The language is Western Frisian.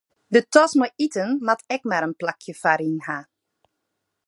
De tas mei iten moat ek mar in plakje foaryn ha.